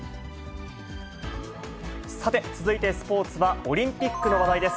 さて、続いてスポーツは、オリンピックの話題です。